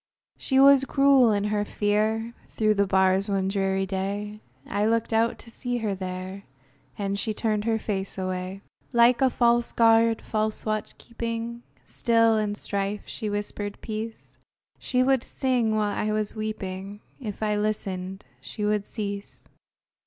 She was cruel in her fear; Through the bars one dreary day, I looked out to see her there, And she turned her face away! Like a false guard, false watch keeping, Still, in strife, she whispered peace; She would sing while I was weeping; If I listened, she would cease.